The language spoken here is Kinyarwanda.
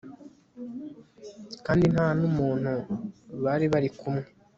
kandi ntanumuntu bari barikumwe